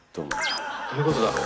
どういうことだろう？